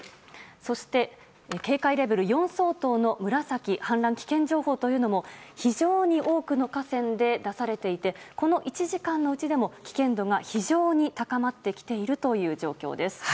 そして、警戒レベル４相当の紫氾濫危険情報というのも非常に多くの河川で出されていてこの１時間のうちでも危険度が非常に高まってきているという状況です。